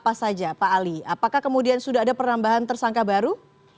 apa saja pak ali apakah kemudian sudah ada penambahan tersangka baru